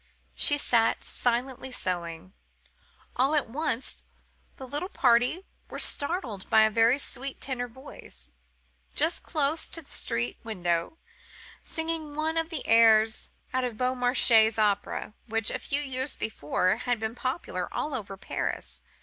She sat silently sewing. All at once the little party were startled by a very sweet tenor voice, just close to the street window, singing one of the airs out of Beaumarchais' operas, which, a few years before, had been popular all over Paris.